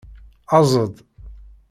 Aẓ-d.